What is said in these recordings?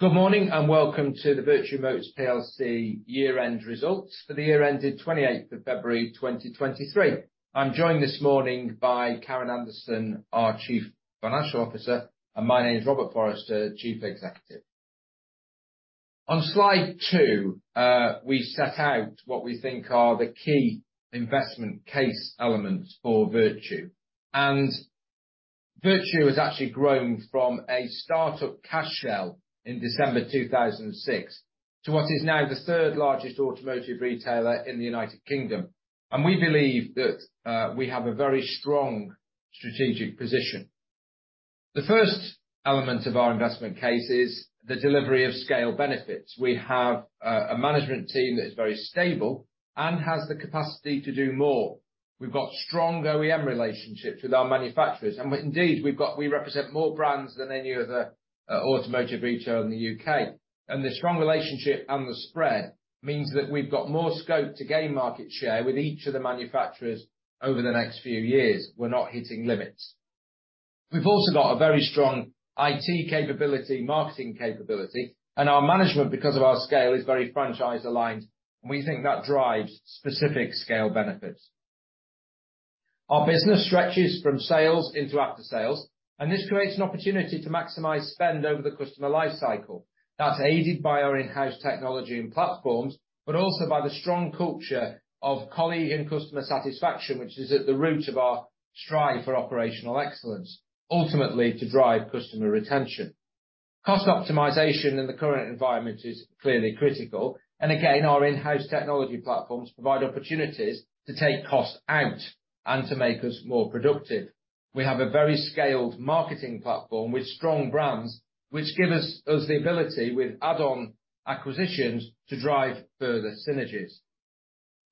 Good morning, welcome to the Vertu Motors plc year-end results for the year ended 28th of February, 2023. I'm joined this morning by Karen Anderson, our Chief Financial Officer, and my name is Robert Forrester, Chief Executive. On slide 2, we set out what we think are the key investment case elements for Vertu. Vertu has actually grown from a startup cash shell in December 2006 to what is now the third largest automotive retailer in the United Kingdom. We believe that we have a very strong strategic position. The first element of our investment case is the delivery of scale benefits. We have a management team that is very stable and has the capacity to do more. We've got strong OEM relationships with our manufacturers. Indeed, we represent more brands than any other automotive retailer in the UK. The strong relationship and the spread means that we've got more scope to gain market share with each of the manufacturers over the next few years. We're not hitting limits. We've also got a very strong IT capability, marketing capability, and our management, because of our scale, is very franchise-aligned. We think that drives specific scale benefits. Our business stretches from sales into aftersales, and this creates an opportunity to maximize spend over the customer life cycle. That's aided by our in-house technology and platforms, but also by the strong culture of colleague and customer satisfaction, which is at the root of our strive for operational excellence, ultimately to drive customer retention. Cost optimization in the current environment is clearly critical. Again, our in-house technology platforms provide opportunities to take costs out and to make us more productive. We have a very scaled marketing platform with strong brands, which give us the ability with add-on acquisitions to drive further synergies.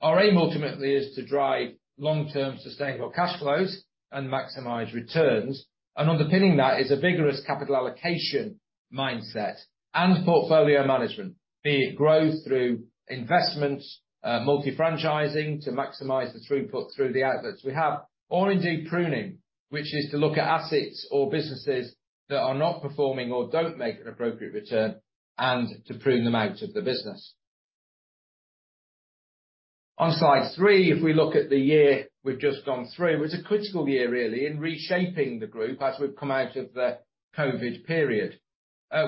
Our aim ultimately is to drive long-term sustainable cash flows and maximize returns. Underpinning that is a vigorous capital allocation mindset and portfolio management. Be it growth through investments, multifranchising to maximize the throughput through the outlets we have or indeed pruning, which is to look at assets or businesses that are not performing or don't make an appropriate return, and to prune them out of the business. On slide 3, if we look at the year we've just gone through, it's a critical year, really, in reshaping the group as we've come out of the COVID period.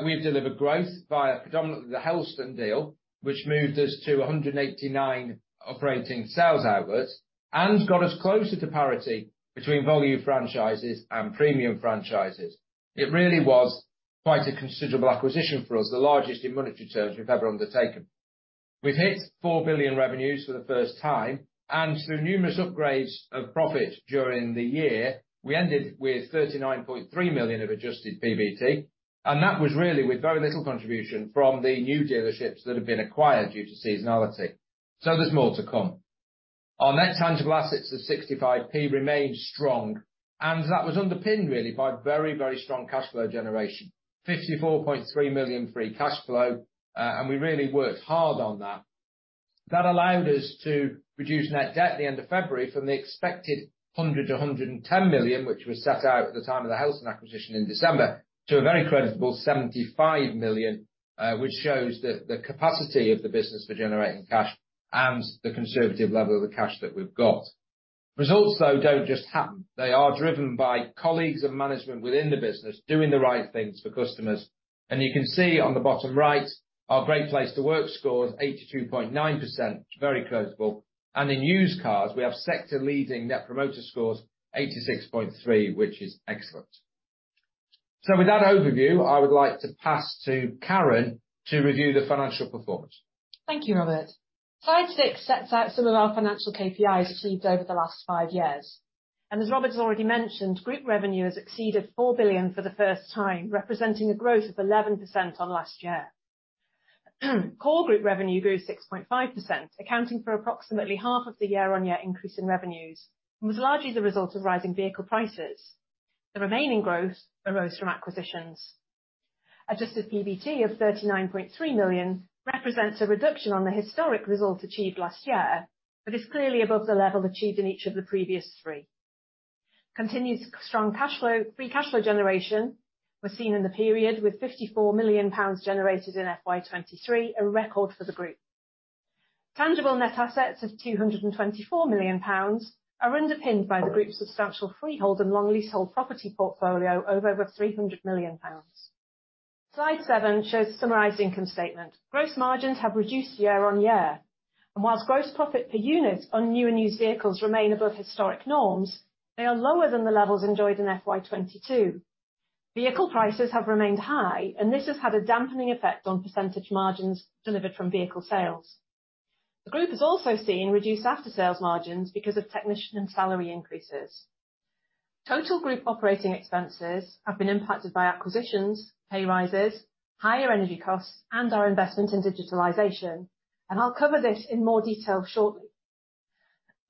We've delivered growth via predominantly the Helston deal, which moved us to 189 operating sales outlets and got us closer to parity between volume franchises and premium franchises. It really was quite a considerable acquisition for us, the largest in monetary terms we've ever undertaken. We've hit 4 billion revenues for the first time. Through numerous upgrades of profit during the year, we ended with 39.3 million of adjusted PBT, and that was really with very little contribution from the new dealerships that have been acquired due to seasonality. There's more to come. Our net tangible assets of 0.65 remained strong, and that was underpinned really by very, very strong cash flow generation. 54.3 million free cash flow, and we really worked hard on that. That allowed us to reduce net debt at the end of February from the expected 100 million-110 million, which was set out at the time of the Helston acquisition in December, to a very creditable 75 million, which shows the capacity of the business for generating cash and the conservative level of the cash that we've got. Results, though, don't just happen. They are driven by colleagues and management within the business doing the right things for customers. You can see on the bottom right our Great Place To Work score is 82.9%, very creditable. In used cars, we have sector-leading net promoter scores, 86.3%, which is excellent. With that overview, I would like to pass to Karen to review the financial performance. Thank you, Robert. Slide 6 sets out some of our financial KPIs achieved over the last 5 years. As Robert has already mentioned, group revenue has exceeded 4 billion for the first time, representing a growth of 11% on last year. Core group revenue grew 6.5%, accounting for approximately half of the year-on-year increase in revenues, and was largely the result of rising vehicle prices. The remaining growth arose from acquisitions. Adjusted PBT of 39.3 million represents a reduction on the historic result achieved last year, but is clearly above the level achieved in each of the previous 3. Continued strong cash flow, free cash flow generation was seen in the period with 54 million pounds generated in FY 2023, a record for the group. Tangible net assets of GBP 224 million are underpinned by the group's substantial freehold and long leasehold property portfolio of over 300 million pounds. Slide 7 shows summarized income statement. Gross margins have reduced year-over-year, and whilst gross profit per unit on new and used vehicles remain above historic norms, they are lower than the levels enjoyed in FY 2022. Vehicle prices have remained high, and this has had a dampening effect on percentage margins delivered from vehicle sales. The group has also seen reduced aftersales margins because of technician and salary increases. Total group operating expenses have been impacted by acquisitions, pay rises, higher energy costs, and our investment in digitalization, and I'll cover this in more detail shortly.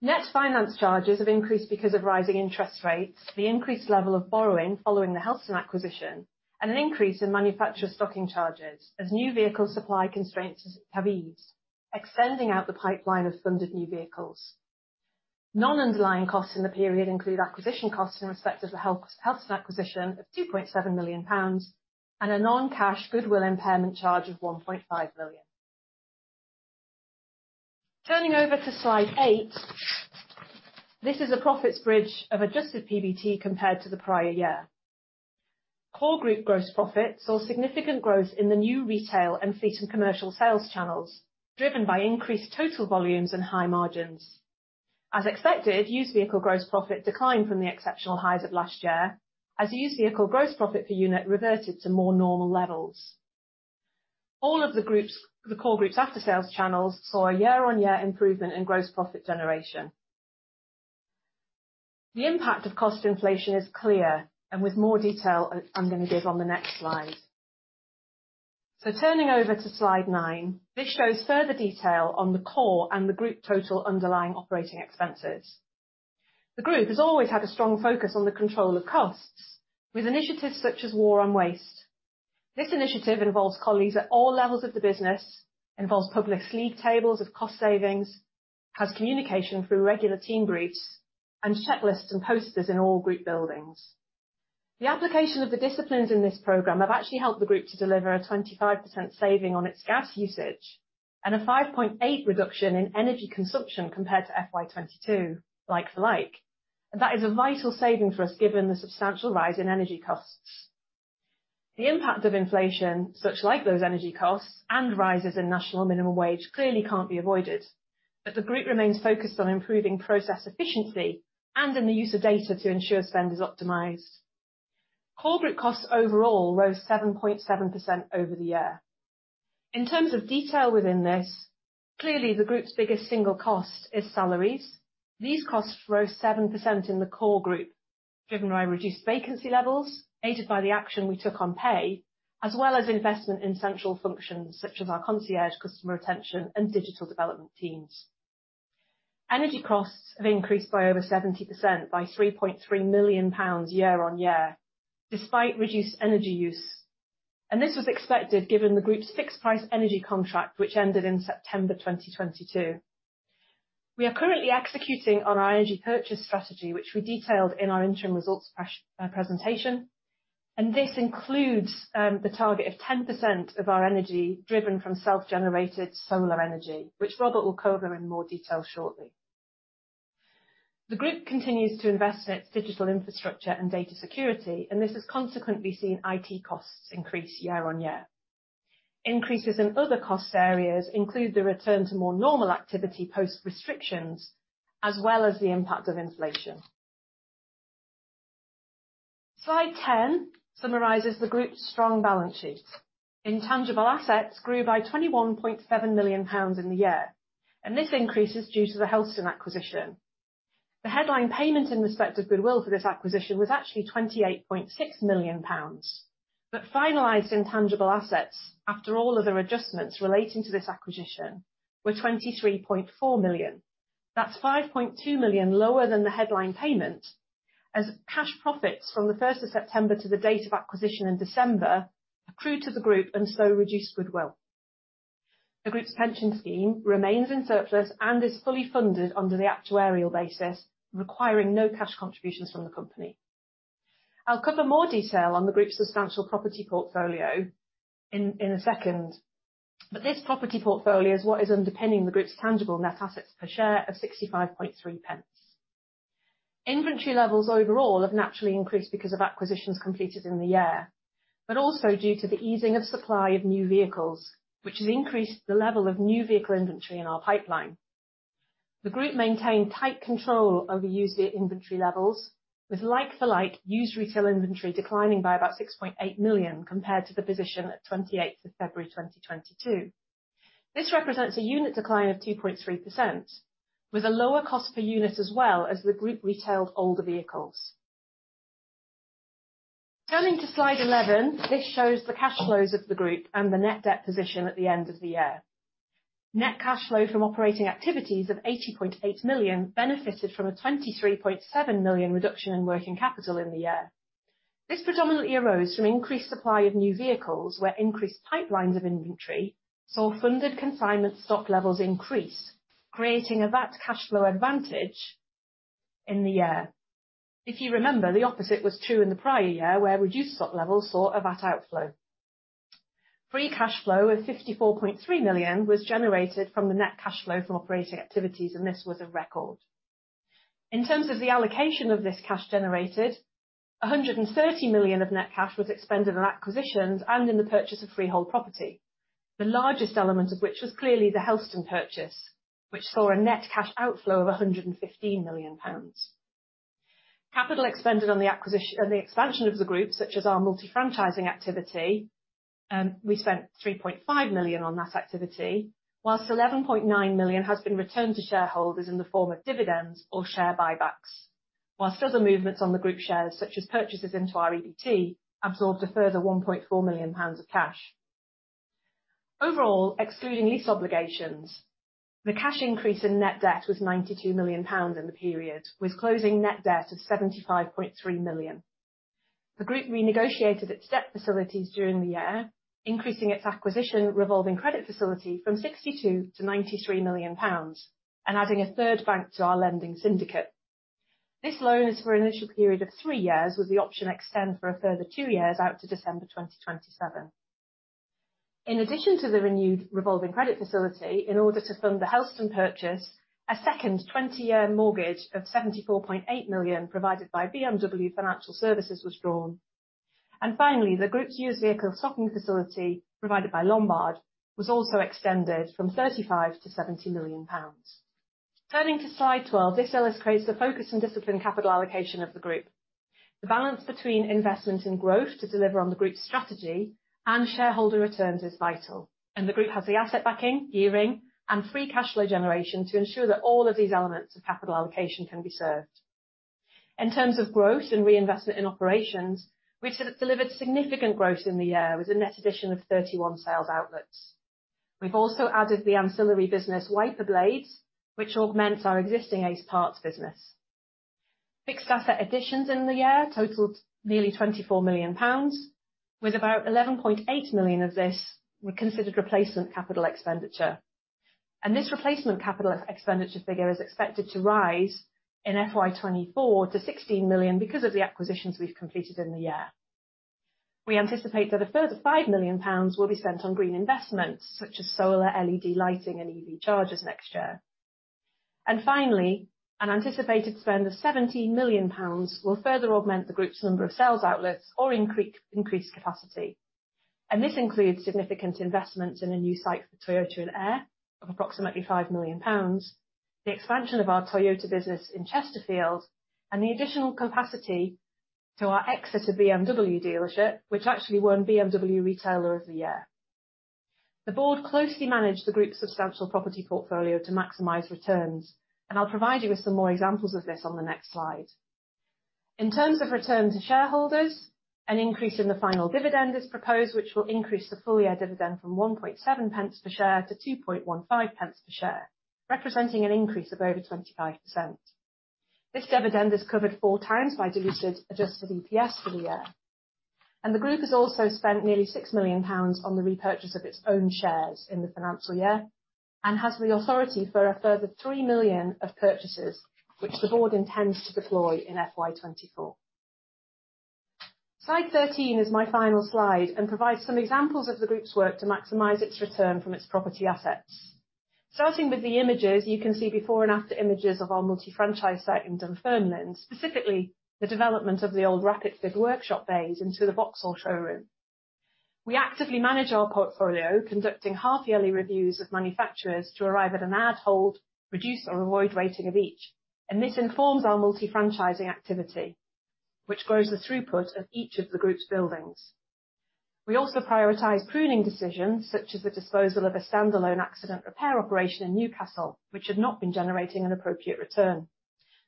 Net finance charges have increased because of rising interest rates, the increased level of borrowing following the Helston acquisition, and an increase in manufacturer stocking charges as new vehicle supply constraints have eased. Extending out the pipeline of funded new vehicles. Non-underlying costs in the period include acquisition costs in respect of the Helston acquisition of 2.7 million pounds, and a non-cash goodwill impairment charge of 1.5 million. Turning over to slide 8, this is a profits bridge of adjusted PBT compared to the prior year. Core Group gross profit saw significant growth in the new retail and fleet and commercial sales channels, driven by increased total volumes and high margins. As expected, used vehicle gross profit declined from the exceptional highs of last year as used vehicle gross profit per unit reverted to more normal levels. All of the groups, the Core Groups aftersales channels saw a year-on-year improvement in gross profit generation. The impact of cost inflation is clear, and with more detail, I'm gonna give on the next slide. Turning over to slide 9, this shows further detail on the core and the group total underlying operating expenses. The group has always had a strong focus on the control of costs with initiatives such as War on Waste. This initiative involves colleagues at all levels of the business, involves public league tables of cost savings, has communication through regular team briefs, and checklists and posters in all group buildings. The application of the disciplines in this program have actually helped the group to deliver a 25% saving on its gas usage and a 5.8 reduction in energy consumption compared to FY 2022 like for like. That is a vital saving for us, given the substantial rise in energy costs. The impact of inflation, such like those energy costs and rises in National Minimum Wage, clearly can't be avoided. The group remains focused on improving process efficiency and in the use of data to ensure spend is optimized. Core group costs overall rose 7.7% over the year. In terms of detail within this, clearly, the group's biggest single cost is salaries. These costs rose 7% in the Core Group, driven by reduced vacancy levels, aided by the action we took on pay, as well as investment in central functions such as our concierge, customer retention, and digital development teams. Energy costs have increased by over 70% by 3.3 million pounds year-on-year, despite reduced energy use. This was expected given the group's fixed-price energy contract, which ended in September 2022. We are currently executing on our energy purchase strategy, which we detailed in our interim results presentation, and this includes the target of 10% of our energy driven from self-generated solar energy, which Robert will cover in more detail shortly. The group continues to invest in its digital infrastructure and data security, and this has consequently seen IT costs increase year-on-year. Increases in other cost areas include the return to more normal activity post-restrictions, as well as the impact of inflation. Slide 10 summarizes the group's strong balance sheet. Intangible assets grew by 21.7 million pounds in the year, and this increase is due to the Helston acquisition. The headline payment in respect of goodwill for this acquisition was actually 28.6 million pounds, finalized intangible assets after all other adjustments relating to this acquisition were 23.4 million. That's 5.2 million lower than the headline payment, as cash profits from the 1st of September to the date of acquisition in December accrue to the group reduced goodwill. The group's pension scheme remains in surplus and is fully funded under the actuarial basis, requiring no cash contributions from the company. I'll cover more detail on the group's substantial property portfolio in a second, this property portfolio is what is underpinning the group's tangible net assets per share of 65.3 pence. Inventory levels overall have naturally increased because of acquisitions completed in the year, but also due to the easing of supply of new vehicles, which has increased the level of new vehicle inventory in our pipeline. The group maintained tight control over used vehicle inventory levels, with like-for-like used retail inventory declining by about 6.8 million compared to the position at 28th of February 2022. This represents a unit decline of 2.3%, with a lower cost per unit as well as the group retailed older vehicles. Turning to slide 11, this shows the cash flows of the group and the net debt position at the end of the year. Net cash flow from operating activities of 80.8 million benefited from a 23.7 million reduction in working capital in the year. This predominantly arose from increased supply of new vehicles, where increased pipelines of inventory saw funded consignment stock levels increase, creating a VAT cash flow advantage in the year. If you remember, the opposite was true in the prior year, where reduced stock levels saw a VAT outflow. Free cash flow of 54.3 million was generated from the net cash flow from operating activities. This was a record. In terms of the allocation of this cash generated, 130 million of net cash was expended on acquisitions and in the purchase of freehold property. The largest element of which was clearly the Helston purchase, which saw a net cash outflow of 115 million pounds. Capital expended on the expansion of the group, such as our multi-franchising activity, we spent 3.5 million on that activity, whilst 11.9 million has been returned to shareholders in the form of dividends or share buybacks, whilst other movements on the group shares, such as purchases into our EBT, absorbed a further 1.4 million pounds of cash. Overall, excluding lease obligations, the cash increase in net debt was 92 million pounds in the period, with closing net debt of 75.3 million. The group renegotiated its debt facilities during the year, increasing its acquisition revolving credit facility from 62 million-93 million pounds, and adding a third bank to our lending syndicate. This loan is for an initial period of 3 years, with the option to extend for a further 2 years out to December 2027. In addition to the renewed revolving credit facility, in order to fund the Helston purchase, a second 20-year mortgage of 74.8 million provided by BMW Financial Services was drawn. Finally, the group's used vehicle stocking facility provided by Lombard was also extended from 35 million-70 million pounds. Turning to slide 12, this illustrates the focus and discipline capital allocation of the group. The balance between investment and growth to deliver on the group's strategy and shareholder returns is vital, and the group has the asset backing, gearing, and free cash flow generation to ensure that all of these elements of capital allocation can be served. In terms of growth and reinvestment in operations, we delivered significant growth in the year with a net addition of 31 sales outlets. We've also added the ancillary business, Wiper Blades, which augments our existing Ace Parts business. Fixed asset additions in the year totaled nearly 24 million pounds, with about 11.8 million of this were considered replacement capital expenditure. This replacement capital expenditure figure is expected to rise in FY 2024 to 16 million because of the acquisitions we've completed in the year. We anticipate that a further 5 million pounds will be spent on green investments such as solar, LED lighting, and EV chargers next year. Finally, an anticipated spend of GBP 17 million will further augment the group's number of sales outlets or increase capacity. This includes significant investments in a new site for Toyota and Ayr of approximately 5 million pounds, the expansion of our Toyota business in Chesterfield, and the additional capacity to our Exeter BMW dealership, which actually won BMW Retailer of the Year. The board closely managed the group's substantial property portfolio to maximize returns, and I'll provide you with some more examples of this on the next slide. In terms of return to shareholders, an increase in the final dividend is proposed, which will increase the full year dividend from 1.7 pence per share to 2.15 pence per share, representing an increase of over 25%. This dividend is covered 4 times by diluted adjusted EPS for the year. The group has also spent nearly 6 million pounds on the repurchase of its own shares in the financial year, and has the authority for a further 3 million of purchases which the board intends to deploy in FY 2024. Slide 13 is my final slide, and provides some examples of the group's work to maximize its return from its property assets. Starting with the images, you can see before and after images of our multi-franchise site in Dunfermline, specifically the development of the old uncertain workshop bays into the Vauxhall showroom. We actively manage our portfolio, conducting half-yearly reviews of manufacturers to arrive at an add, hold, reduce, or avoid rating of each. This informs our multi-franchising activity, which grows the throughput of each of the group's buildings. We also prioritize pruning decisions, such as the disposal of a standalone accident repair operation in Newcastle, which had not been generating an appropriate return.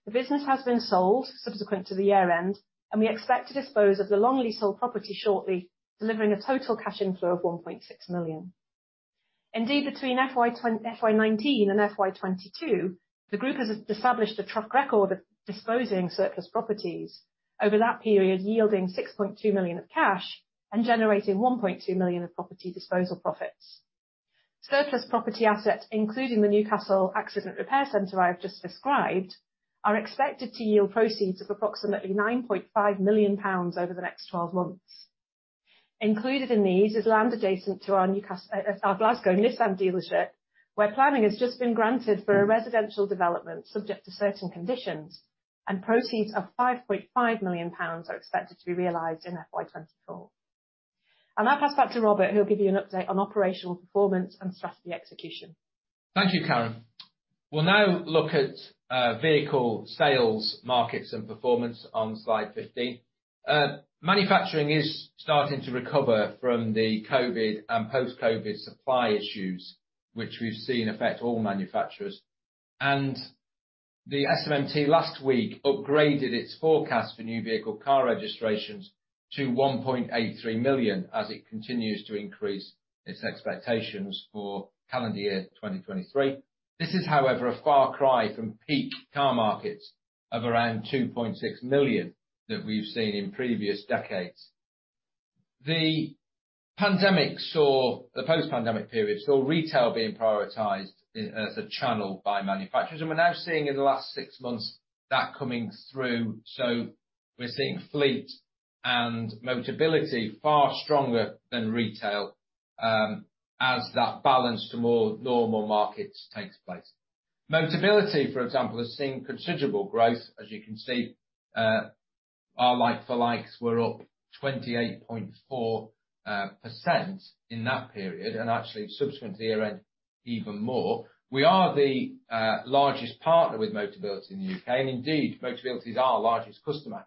The business has been sold subsequent to the year-end, and we expect to dispose of the long leasehold property shortly, delivering a total cash inflow of 1.6 million. Indeed, between FY 19 and FY 22, the group has established a track record of disposing surplus properties over that period, yielding 6.2 million of cash and generating 1.2 million of property disposal profits. Surplus property assets, including the Newcastle Accident Repair Center I have just described, are expected to yield proceeds of approximately 9.5 million pounds over the next 12 months. Included in these is land adjacent to our Glasgow Nissan dealership, where planning has just been granted for a residential development subject to certain conditions, and proceeds of 5.5 million pounds are expected to be realized in FY 24. I'll pass back to Robert, who will give you an update on operational performance and strategy execution. Thank you, Karen. We'll now look at vehicle sales, markets, and performance on slide 15. Manufacturing is starting to recover from the COVID and post-COVID supply issues, which we've seen affect all manufacturers. The SMMT last week upgraded its forecast for new vehicle car registrations to 1.83 million as it continues to increase its expectations for calendar year 2023. This is, however, a far cry from peak car markets of around 2.6 million that we've seen in previous decades. The post-pandemic period saw retail being prioritized as a channel by manufacturers, and we're now seeing in the last 6 months that coming through. We're seeing fleet and Motability far stronger than retail as that balance to more normal markets takes place. Motability, for example, has seen considerable growth. As you can see, our like for likes were up 28.4% in that period, actually subsequent to year-end, even more. We are the largest partner with Motability in the U.K., indeed, Motability is our largest customer.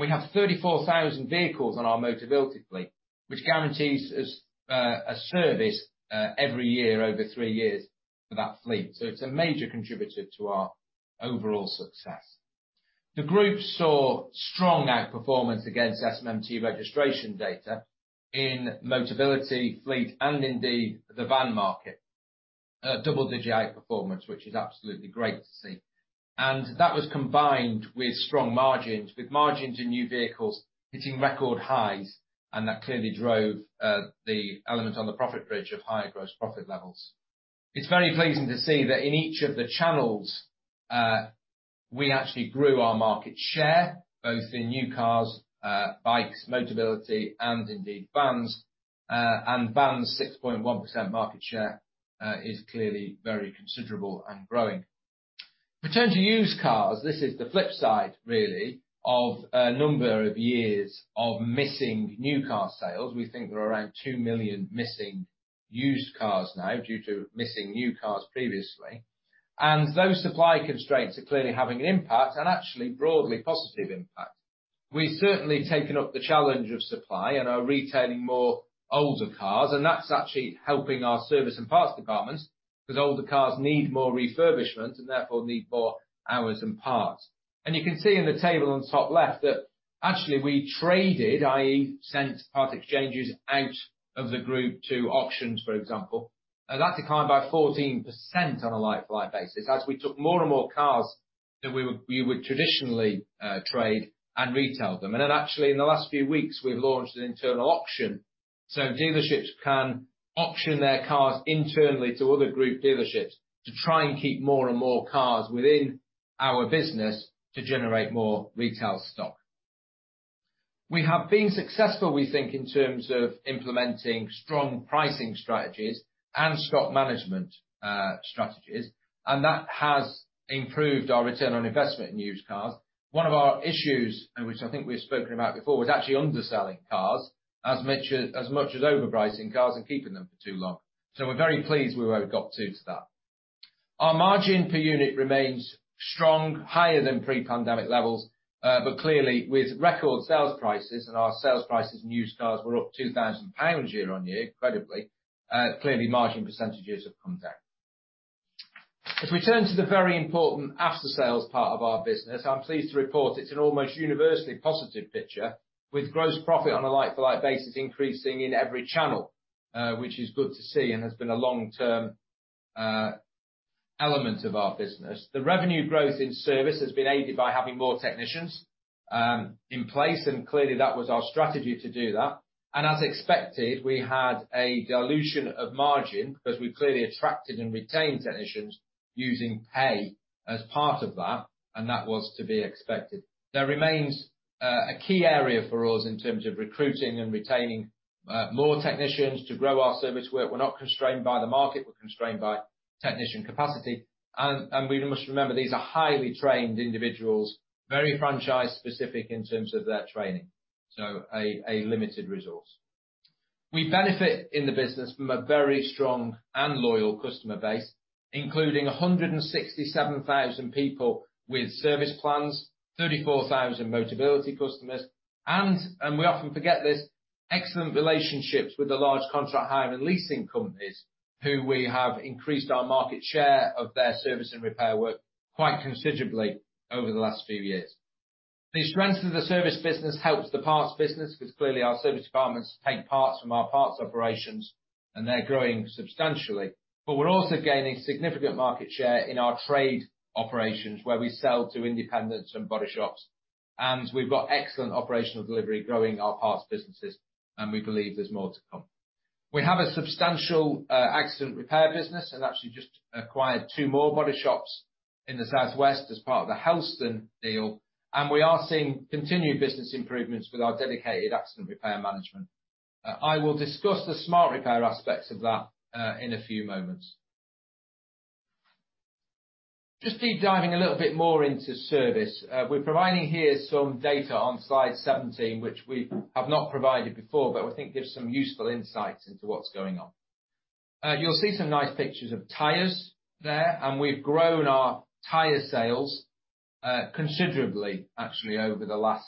We have 34,000 vehicles on our Motability fleet, which guarantees us a service every year over three years for that fleet. It's a major contributor to our overall success. The group saw strong outperformance against SMMT registration data in Motability, fleet, indeed the van market. Double-digit outperformance, which is absolutely great to see. That was combined with strong margins, with margins in new vehicles hitting record highs, that clearly drove the element on the profit bridge of higher gross profit levels. It's very pleasing to see that in each of the channels, we actually grew our market share, both in new cars, bikes, Motability, and indeed vans. Vans, 6.1% market share, is clearly very considerable and growing. Turning to used cars, this is the flip side really, of a number of years of missing new car sales. We think there are around 2 million missing used cars now due to missing new cars previously. Those supply constraints are clearly having an impact and actually broadly positive impact. We've certainly taken up the challenge of supply and are retaining more older cars, and that's actually helping our service and parts departments, because older cars need more refurbishment and therefore need more hours and parts. You can see in the table on the top left that actually we traded, i.e. part exchanges out of the group to auctions, for example. That declined by 14% on a like-to-like basis as we took more and more cars that we would, we would traditionally trade and retailed them. Then actually in the last few weeks, we've launched an internal auction, so dealerships can auction their cars internally to other group dealerships to try and keep more and more cars within our business to generate more retail stock. We have been successful, we think, in terms of implementing strong pricing strategies and stock management strategies, and that has improved our return on investment in used cars. One of our issues, and which I think we've spoken about before, was actually underselling cars as much as overpricing cars and keeping them for too long. We're very pleased with where we've got to that. Our margin per unit remains strong, higher than pre-pandemic levels, but clearly with record sales prices, and our sales prices in used cars were up 2,000 pounds year-on-year, incredibly, clearly margin % have come down. If we turn to the very important aftersales part of our business, I'm pleased to report it's an almost universally positive picture with gross profit on a like-for-like basis increasing in every channel, which is good to see and has been a long-term element of our business. The revenue growth in service has been aided by having more technicians in place, and clearly that was our strategy to do that. As expected, we had a dilution of margin because we clearly attracted and retained technicians using pay as part of that, and that was to be expected. There remains a key area for us in terms of recruiting and retaining more technicians to grow our service work. We're not constrained by the market, we're constrained by technician capacity. We must remember, these are highly trained individuals, very franchise-specific in terms of their training, so a limited resource. We benefit in the business from a very strong and loyal customer base, including 167,000 people with service plans, 34,000 Motability customers and we often forget this, excellent relationships with the large contract hire and leasing companies who we have increased our market share of their service and repair work quite considerably over the last few years. The strength of the service business helps the parts business, because clearly our service departments take parts from our parts operations and they're growing substantially. We're also gaining significant market share in our trade operations where we sell to independents and body shops, and we've got excellent operational delivery growing our parts businesses and we believe there's more to come. We have a substantial accident repair business and actually just acquired two more body shops in the South West as part of the Helston deal. We are seeing continued business improvements with our dedicated accident repair management. I will discuss the SMART Repair aspects of that in a few moments. Just deep diving a little bit more into service. We're providing here some data on slide 17, which we have not provided before, but we think gives some useful insights into what's going on. You'll see some nice pictures of tires there, and we've grown our tire sales considerably actually, over the last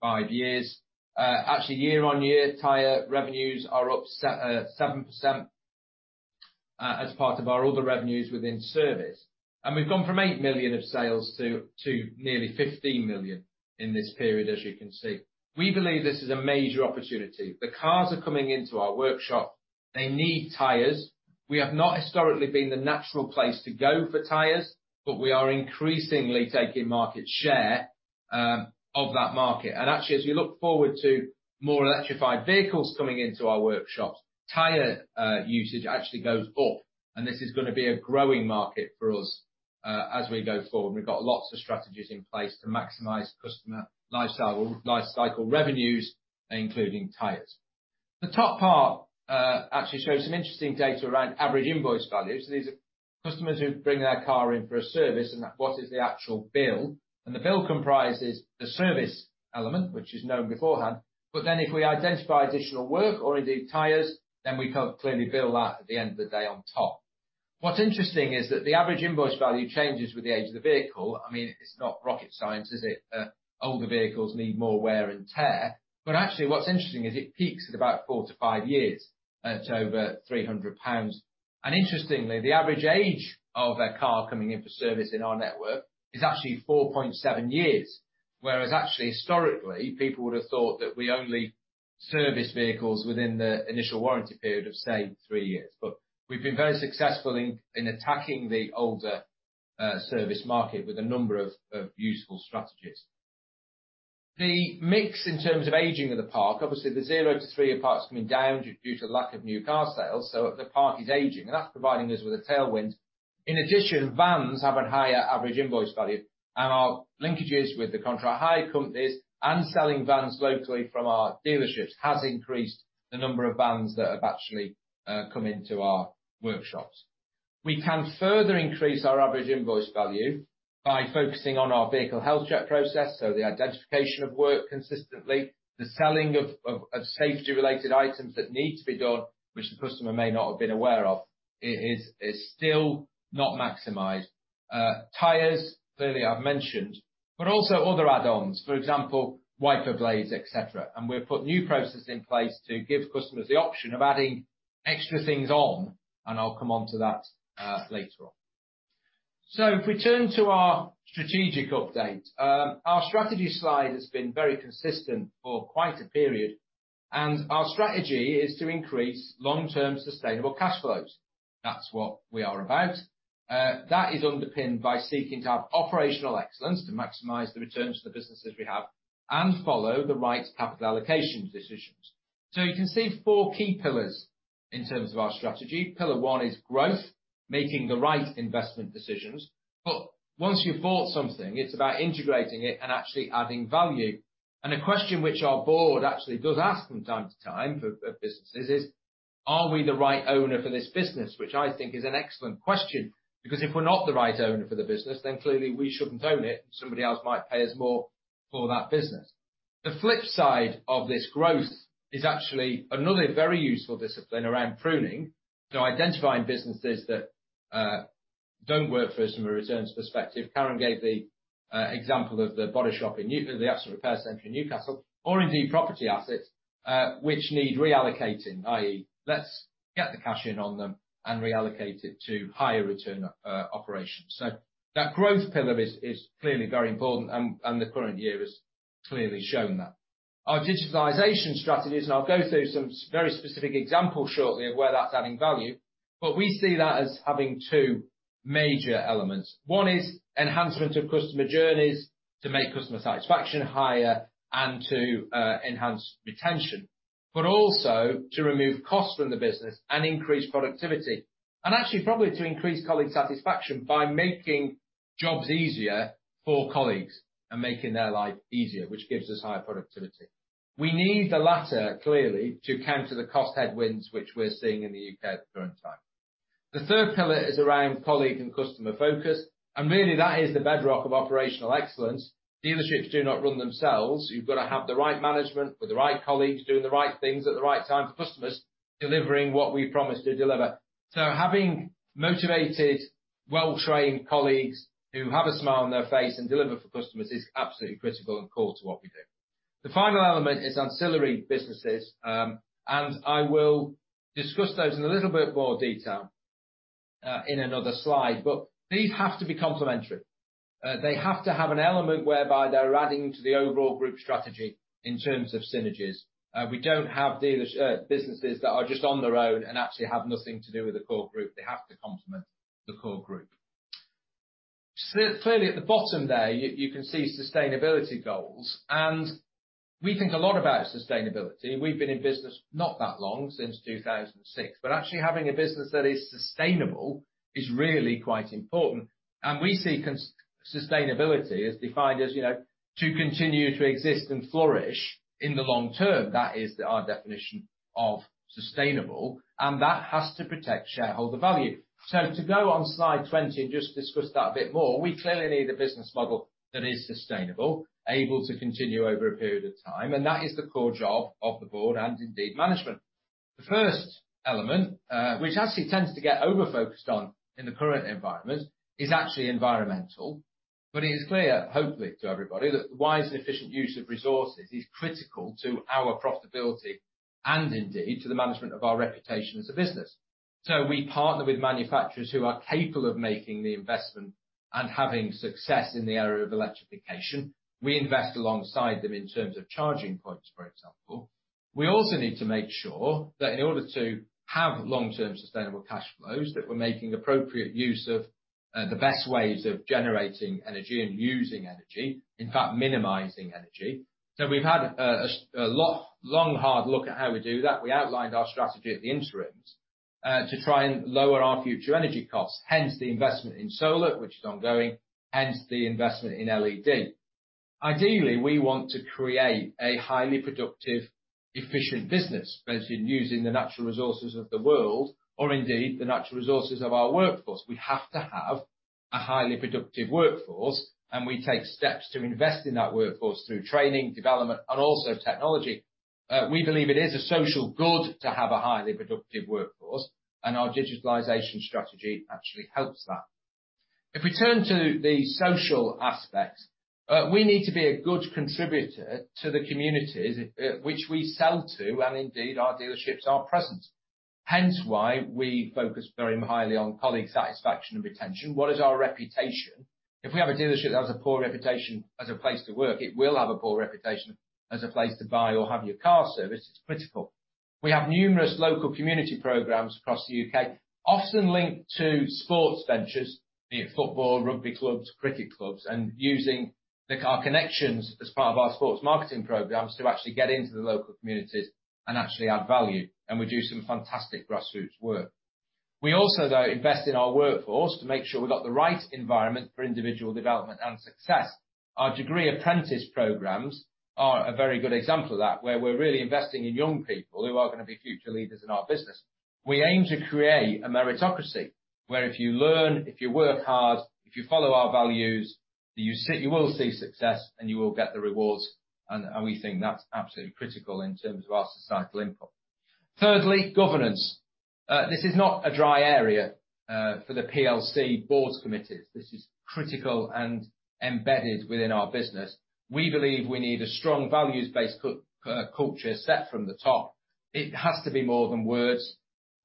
five years. Actually year-on-year, tire revenues are up 7% as part of our other revenues within service. We've gone from 8 million of sales to nearly 15 million in this period, as you can see. We believe this is a major opportunity. The cars are coming into our workshop. They need tires. We have not historically been the natural place to go for tires, but we are increasingly taking market share of that market. Actually, as we look forward to more electrified vehicles coming into our workshops, tire usage actually goes up and this is gonna be a growing market for us as we go forward. We've got lots of strategies in place to maximize customer lifecycle revenues, including tires. The top part actually shows some interesting data around average invoice values. These are customers who bring their car in for a service and what is the actual bill, and the bill comprises the service element, which is known beforehand, but then if we identify additional work or indeed tires, then we can clearly bill that at the end of the day on top. What's interesting is that the average invoice value changes with the age of the vehicle. I mean, it's not rocket science, is it? Older vehicles need more wear and tear. Actually what's interesting is it peaks at about four to five years at over 300 pounds. Interestingly, the average age of a car coming in for service in our network is actually 4.7 years. Actually historically, people would have thought that we only service vehicles within the initial warranty period of, say, three years. We've been very successful in attacking the older service market with a number of useful strategies. The mix in terms of aging of the park, obviously, the 0 to 3 parts coming down due to lack of new car sales, so the park is aging, and that's providing us with a tailwind. In addition, vans have a higher average invoice value, and our linkages with the contract hire companies and selling vans locally from our dealerships has increased the number of vans that have actually come into our workshops. We can further increase our average invoice value by focusing on our vehicle health check process, so the identification of work consistently, the selling of safety-related items that need to be done, which the customer may not have been aware of. It's still not maximized. Tires, clearly I've mentioned, but also other add-ons, for example, Wiper Blades, et cetera. We've put new processes in place to give customers the option of adding extra things on, and I'll come onto that later on. If we turn to our strategic update, our strategy slide has been very consistent for quite a period, and our strategy is to increase long-term sustainable cash flows. That's what we are about. That is underpinned by seeking to have operational excellence to maximize the returns to the businesses we have and follow the right capital allocation decisions. You can see four key pillars in terms of our strategy. Pillar one is growth, making the right investment decisions. Once you've bought something, it's about integrating it and actually adding value. A question which our board actually does ask from time to time for businesses is, are we the right owner for this business? I think is an excellent question, because if we're not the right owner for the business, clearly we shouldn't own it, somebody else might pay us more for that business. The flip side of this growth is actually another very useful discipline around pruning. Identifying businesses that don't work for us from a returns perspective. Karen gave the example of the body shop in the asset repair center in Newcastle, or indeed property assets, which need reallocating, i.e. let's get the cash in on them and reallocate it to higher return operations. That growth pillar is clearly very important, and the current year has clearly shown that. Our digitalization strategies, and I'll go through some very specific examples shortly of where that's adding value, but we see that as having two major elements. One is enhancement of customer journeys to make customer satisfaction higher and to enhance retention, but also to remove costs from the business and increase productivity, and actually probably to increase colleague satisfaction by making jobs easier for colleagues and making their life easier, which gives us higher productivity. We need the latter, clearly, to counter the cost headwinds which we're seeing in the UK at the current time. The third pillar is around colleague and customer focus, and really, that is the bedrock of operational excellence. Dealerships do not run themselves. You've got to have the right management with the right colleagues doing the right things at the right time for customers, delivering what we promise to deliver. Having motivated, well-trained colleagues who have a smile on their face and deliver for customers is absolutely critical and core to what we do. The final element is ancillary businesses, and I will discuss those in a little bit more detail in another slide, but these have to be complementary. They have to have an element whereby they're adding to the overall group strategy in terms of synergies. We don't have dealers, businesses that are just on their own and actually have nothing to do with the core group. They have to complement the core group. Clearly at the bottom there, you can see sustainability goals, and we think a lot about sustainability. We've been in business not that long, since 2006, but actually having a business that is sustainable is really quite important. We see sustainability as defined as, to continue to exist and flourish in the long term. That is our definition of sustainable, and that has to protect shareholder value. To go on slide 20 and just discuss that a bit more, we clearly need a business model that is sustainable, able to continue over a period of time, and that is the core job of the board and indeed management. The first element, which actually tends to get over-focused on in the current environment, is actually environmental. It is clear, hopefully to everybody, that wise and efficient use of resources is critical to our profitability and indeed to the management of our reputation as a business. We partner with manufacturers who are capable of making the investment and having success in the area of electrification. We invest alongside them in terms of charging points, for example. We also need to make sure that in order to have long-term sustainable cash flows, that we're making appropriate use of the best ways of generating energy and using energy, in fact, minimizing energy. We've had a long, hard look at how we do that. We outlined our strategy at the interims to try and lower our future energy costs, hence the investment in solar, which is ongoing, hence the investment in LED. Ideally, we want to create a highly productive, efficient business, basically in using the natural resources of the world or indeed the natural resources of our workforce. We have to have a highly productive workforce, and we take steps to invest in that workforce through training, development, and also technology. We believe it is a social good to have a highly productive workforce, and our digitalization strategy actually helps that. If we turn to the social aspect, we need to be a good contributor to the communities, which we sell to, and indeed, our dealerships are present. Hence why we focus very highly on colleague satisfaction and retention. What is our reputation? If we have a dealership that has a poor reputation as a place to work, it will have a poor reputation as a place to buy or have your car serviced. It's critical. We have numerous local community programs across the U.K., often linked to sports ventures, be it football, rugby clubs, cricket clubs, and using the car connections as part of our sports marketing programs to actually get into the local communities and actually add value, and we do some fantastic grassroots work. We also, though, invest in our workforce to make sure we've got the right environment for individual development and success. Our degree apprentice programs are a very good example of that, where we're really investing in young people who are gonna be future leaders in our business. We aim to create a meritocracy, where if you learn, if you work hard, if you follow our values, you will see success and you will get the rewards, and we think that's absolutely critical in terms of our societal impact. Thirdly, governance. This is not a dry area for the PLC boards committees. This is critical and embedded within our business. We believe we need a strong values-based culture set from the top. It has to be more than words.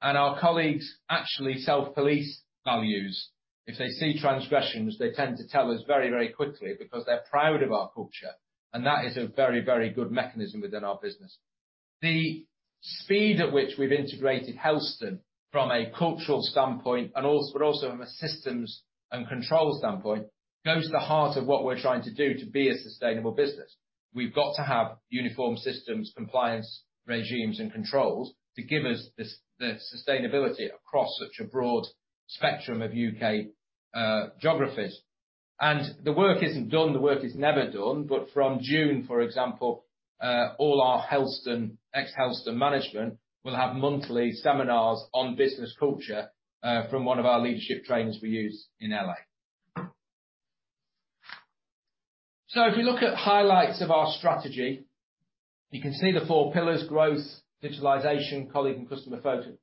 Our colleagues actually self-police values. If they see transgressions, they tend to tell us very, very quickly because they're proud of our culture, and that is a very, very good mechanism within our business. The speed at which we've integrated Helston from a cultural standpoint but also from a systems and control standpoint, goes to the heart of what we're trying to do to be a sustainable business. We've got to have uniform systems, compliance regimes and controls to give us the sustainability across such a broad spectrum of U.K. geographies. The work isn't done. The work is never done. From June, for example, all our Helston, ex-Helston management will have monthly seminars on business culture from one of our leadership trainers we use in L.A. If you look at highlights of our strategy, you can see the four pillars, growth, digitalization, colleague and customer focus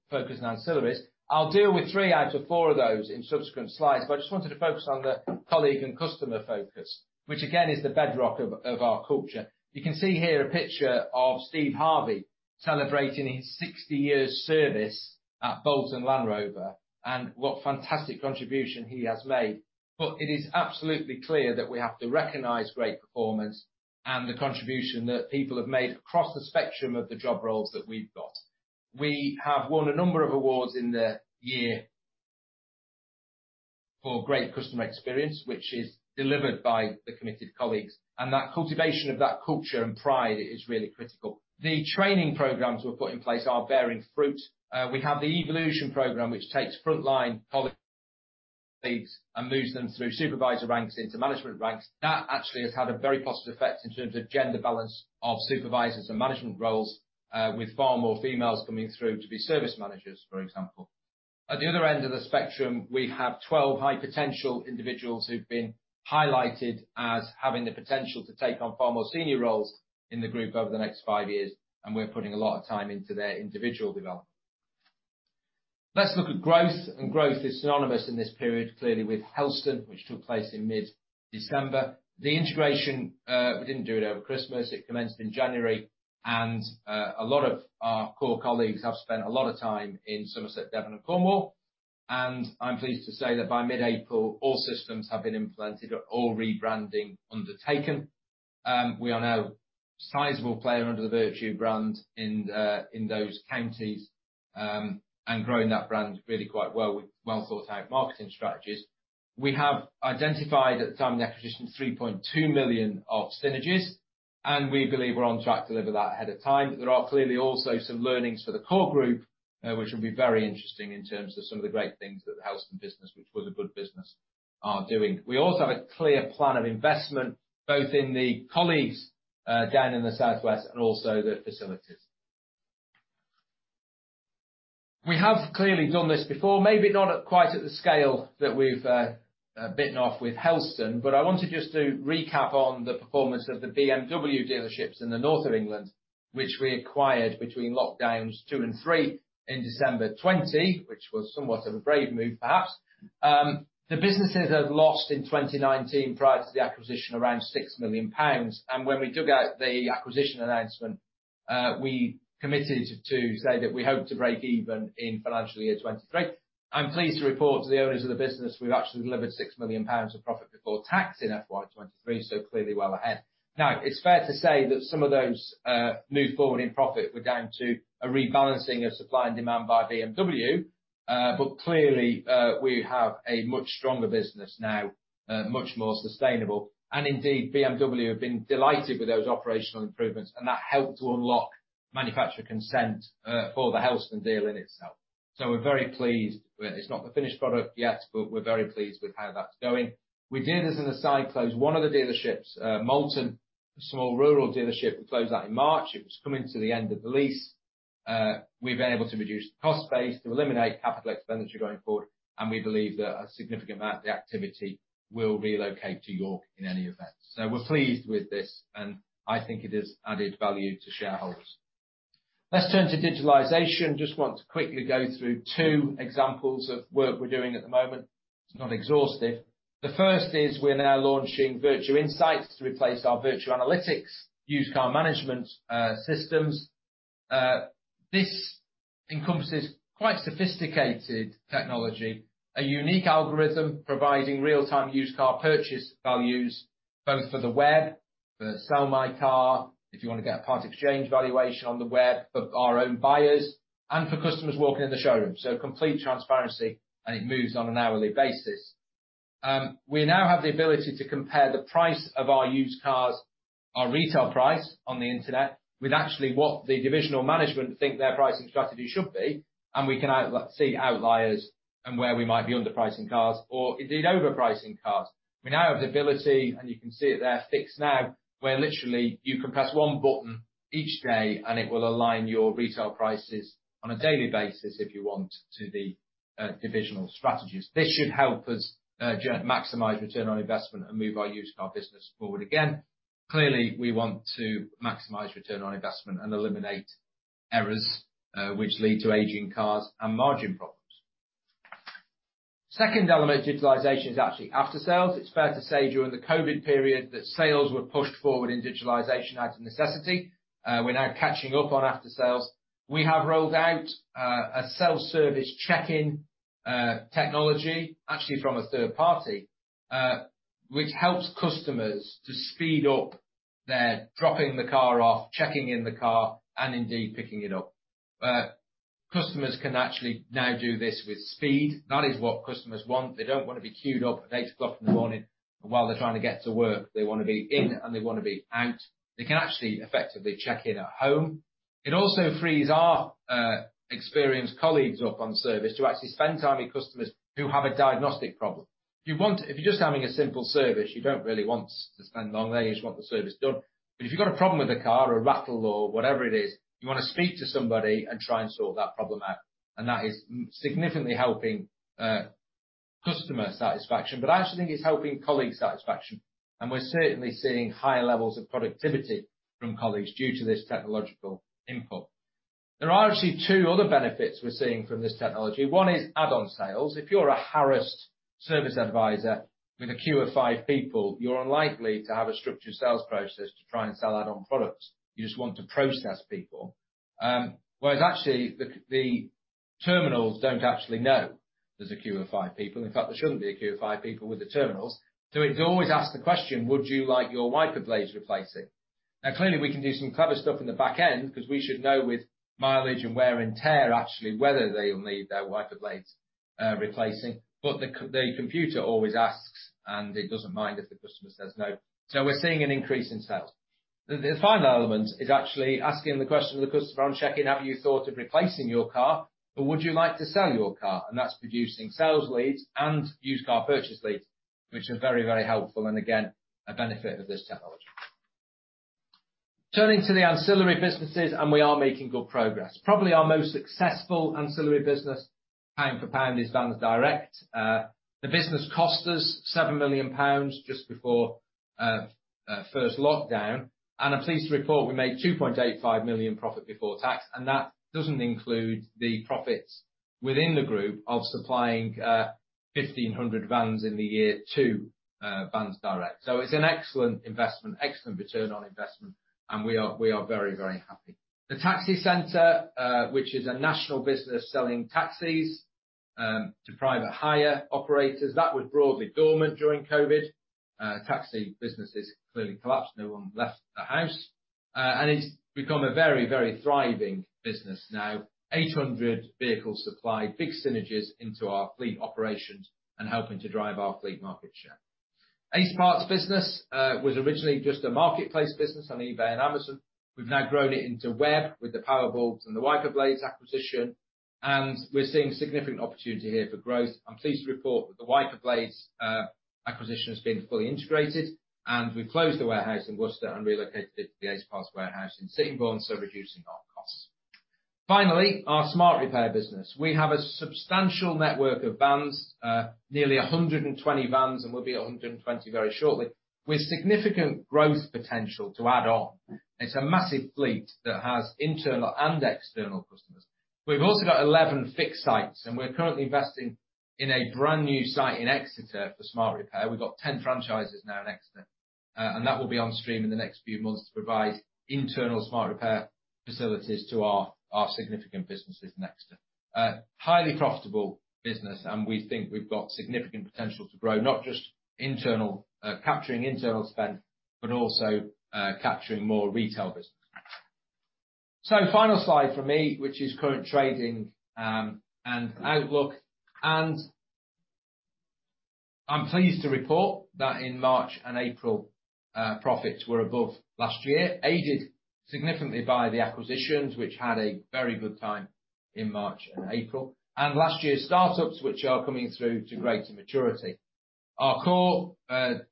and ancillaries. I'll deal with three out of four of those in subsequent slides, but I just wanted to focus on the colleague and customer focus, which again is the bedrock of our culture. You can see here a picture of Steve Harvey celebrating his 60 years service at Bolton Land Rover and what fantastic contribution he has made. It is absolutely clear that we have to recognize great performance and the contribution that people have made across the spectrum of the job roles that we've got. We have won a number of awards in the year for great customer experience, which is delivered by the committed colleagues, and that cultivation of that culture and pride is really critical. The training programs we've put in place are bearing fruit. We have the Evolution program, which takes frontline colleagues, and moves them through supervisor ranks into management ranks. That actually has had a very positive effect in terms of gender balance of supervisors and management roles, with far more females coming through to be service managers, for example. At the other end of the spectrum, we have 12 high potential individuals who've been highlighted as having the potential to take on far more senior roles in the group over the next five years, and we're putting a lot of time into their individual development. Let's look at growth. Growth is synonymous in this period, clearly with Helston, which took place in mid-December. The integration, we didn't do it over Christmas. It commenced in January, and a lot of our core colleagues have spent a lot of time in Somerset, Devon and Cornwall. I'm pleased to say that by mid-April, all systems have been implemented or all rebranding undertaken. We are now a sizable player under the Vertu brand in those counties and growing that brand really quite well with well-thought-out marketing strategies. We have identified at the time of the acquisition 3.2 million of synergies. We believe we're on track to deliver that ahead of time. There are clearly also some learnings for the core group which will be very interesting in terms of some of the great things that the Helston business, which was a good business, are doing. We also have a clear plan of investment, both in the colleagues, down in the southwest and also the facilities. We have clearly done this before, maybe not at, quite at the scale that we've bitten off with Helston, but I want just to recap on the performance of the BMW dealerships in the north of England, which we acquired between lockdowns 2 and 3 in December 2020, which was somewhat of a brave move, perhaps. The businesses had lost in 2019 prior to the acquisition around 6 million pounds. When we took out the acquisition announcement, we committed to say that we hope to break even in financial year 2023. I'm pleased to report to the owners of the business, we've actually delivered 6 million pounds of profit before tax in FY 2023, so clearly well ahead. It's fair to say that some of those moves forward in profit were down to a rebalancing of supply and demand by BMW, but clearly, we have a much stronger business now, much more sustainable. BMW have been delighted with those operational improvements, and that helped to unlock manufacturer consent for the Helston deal in itself. We're very pleased with... It's not the finished product yet, but we're very pleased with how that's going. We did as an aside close one of the dealerships, Moulton, a small rural dealership, we closed that in March. It was coming to the end of the lease. We've been able to reduce the cost base to eliminate capital expenditure going forward, and we believe that a significant amount of the activity will relocate to York in any event. We're pleased with this, and I think it has added value to shareholders. Let's turn to digitalization. Just want to quickly go through two examples of work we're doing at the moment. It's not exhaustive. The first is we're now launching Virtual Insights to replace our virtual analytics, used car management systems. This encompasses quite sophisticated technology, a unique algorithm providing real-time used car purchase values, both for the web, for Sell My Car, if you wanna get a part exchange valuation on the web for our own buyers and for customers walking in the showroom. Complete transparency, and it moves on an hourly basis. We now have the ability to compare the price of our used cars, our retail price on the Internet, with actually what the divisional management think their pricing strategy should be, and we can see outliers and where we might be underpricing cars or indeed overpricing cars. We now have the ability, and you can see it there, Fix Now, where literally you can press one button each day, and it will align your retail prices on a daily basis if you want to the divisional strategies. This should help us maximize return on investment and move our used car business forward again. Clearly, we want to maximize return on investment and eliminate errors, which lead to aging cars and margin problems. Second element of digitalization is actually after sales. It's fair to say during the COVID period that sales were pushed forward. Digitalization out of necessity. We're now catching up on after sales. We have rolled out a self-service check-in technology, actually from a third party, which helps customers to speed up their dropping the car off, checking in the car, and indeed picking it up. Customers can actually now do this with speed. That is what customers want. They don't wanna be queued up at 8:00 A.M. in the morning while they're trying to get to work. They wanna be in, and they wanna be out. They can actually effectively check in at home. It also frees our experienced colleagues up on service to actually spend time with customers who have a diagnostic problem. If you're just having a simple service, you don't really want to spend long there. You just want the service done. If you've got a problem with a car or a rattle or whatever it is, you wanna speak to somebody and try and sort that problem out. That is significantly helping customer satisfaction. I actually think it's helping colleague satisfaction, and we're certainly seeing higher levels of productivity from colleagues due to this technological input. There are actually two other benefits we're seeing from this technology. One is add-on sales. If you're a harassed service advisor with a queue of five people, you're unlikely to have a structured sales process to try and sell add-on products. You just want to process people. Whereas actually the terminals don't actually know there's a queue of five people. In fact, there shouldn't be a queue of five people with the terminals. It always asks the question, "Would you like your Wiper Blades replacing?" Clearly, we can do some clever stuff in the back end because we should know with mileage and wear and tear actually whether they'll need their Wiper Blades replacing. The computer always asks, and it doesn't mind if the customer says no. We're seeing an increase in sales. The final element is actually asking the question to the customer on check-in, "Have you thought of replacing your car or would you like to sell your car?" That's producing sales leads and used car purchase leads, which are very, very helpful and again, a benefit of this technology. Turning to the ancillary businesses, we are making good progress. Probably our most successful ancillary business pound for pound is Vansdirect. The business cost us 7 million pounds just before first lockdown. I'm pleased to report we made 2.85 million profit before tax, and that doesn't include the profits within the group of supplying 1,500 vans in the year to Vansdirect. It's an excellent investment, excellent return on investment, and we are very, very happy. The Taxi Centre, which is a national business selling taxis to private hire operators, that was broadly dormant during COVID. Taxi businesses clearly collapsed. No one left the house. It's become a very, very thriving business now. 800 vehicles supplied, big synergies into our fleet operations and helping to drive our fleet market share. Ace Parts business was originally just a marketplace business on eBay and Amazon. We've now grown it into web with the Powerbulbs and the Wiper Blades acquisition, and we're seeing significant opportunity here for growth. I'm pleased to report that the Wiper Blades acquisition has been fully integrated, and we closed the warehouse in Worcester and relocated it to the Ace Parts warehouse in Sittingbourne. Reducing our costs. Finally, our SMART Repair business. We have a substantial network of vans, nearly 120 vans, and we'll be at 120 very shortly, with significant growth potential to add on. It's a massive fleet that has internal and external customers. We've also got 11 fixed sites, and we're currently investing in a brand-new site in Exeter for SMART Repair. We've got 10 franchises now in Exeter, and that will be on stream in the next few months to provide internal SMART Repair facilities to our significant businesses in Exeter. A highly profitable business, we think we've got significant potential to grow, not just internal, capturing internal spend, but also, capturing more retail business. Final slide from me, which is current trading, and outlook. I'm pleased to report that in March and April, profits were above last year, aided significantly by the acquisitions, which had a very good time in March and April. Last year's startups, which are coming through to greater maturity. Our core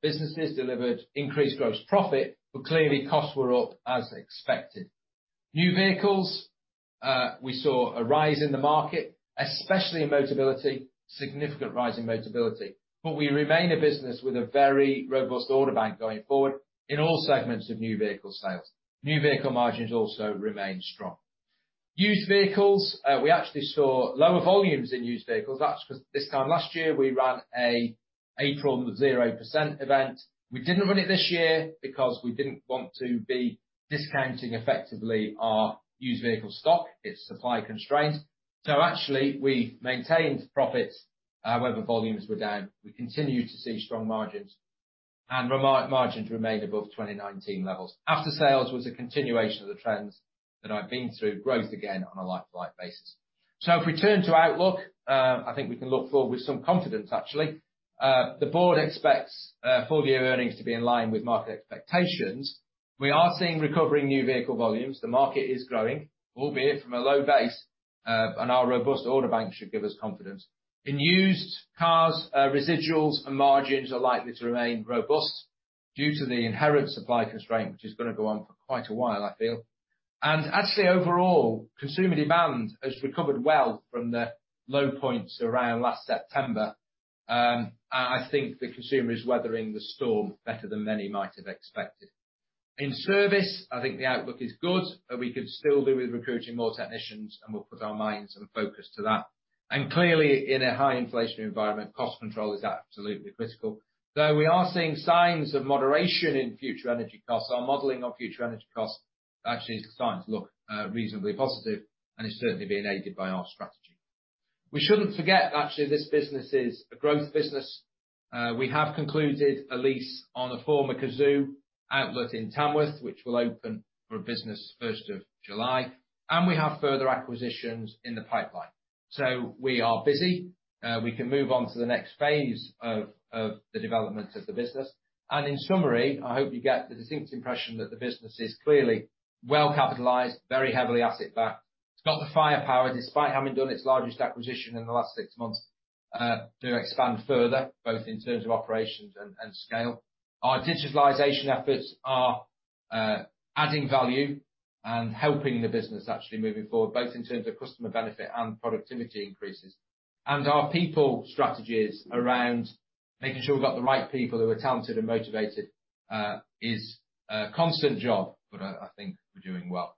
businesses delivered increased gross profit, but clearly costs were up as expected. New vehicles, we saw a rise in the market, especially in Motability, significant rise in Motability. We remain a business with a very robust order bank going forward in all segments of new vehicle sales. New vehicle margins also remain strong. Used vehicles, we actually saw lower volumes in used vehicles. That's 'cause this time last year, we ran a April 0% event. We didn't run it this year because we didn't want to be discounting effectively our used vehicle stock. It's supply constrained. Actually, we maintained profits. However, volumes were down. We continued to see strong margins, and margins remained above 2019 levels. After sales was a continuation of the trends that I've been through, growth again on a like-to-like basis. If we turn to outlook, I think we can look forward with some confidence actually. The board expects full year earnings to be in line with market expectations. We are seeing recovering new vehicle volumes. The market is growing, albeit from a low base, and our robust order bank should give us confidence. In used cars, residuals and margins are likely to remain robust due to the inherent supply constraint, which is gonna go on for quite a while I feel. Actually, overall, consumer demand has recovered well from the low points around last September. I think the consumer is weathering the storm better than many might have expected. In service, I think the outlook is good, but we could still do with recruiting more technicians, and we'll put our minds and focus to that. Clearly, in a high inflation environment, cost control is absolutely critical. We are seeing signs of moderation in future energy costs, our modeling of future energy costs actually is starting to look reasonably positive and is certainly being aided by our strategy. We shouldn't forget actually this business is a growth business. We have concluded a lease on the former Cazoo outlet in Tamworth, which will open for business first of July. We have further acquisitions in the pipeline. We are busy. We can move on to the next phase of the development of the business. In summary, I hope you get the distinct impression that the business is clearly well capitalized, very heavily asset backed. It's got the firepower, despite having done its largest acquisition in the last six months, to expand further, both in terms of operations and scale. Our digitalization efforts are adding value and helping the business actually moving forward, both in terms of customer benefit and productivity increases. Our people strategies around making sure we've got the right people who are talented and motivated, is a constant job, but I think we're doing well.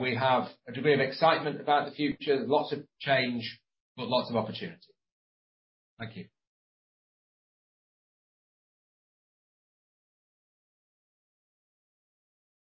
We have a degree of excitement about the future. Lots of change, but lots of opportunity. Thank you.